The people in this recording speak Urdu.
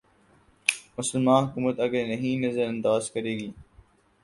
مسلماںحکومت اگر انہیں نظر انداز کرے گی۔